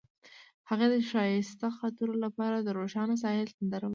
هغې د ښایسته خاطرو لپاره د روښانه ساحل سندره ویله.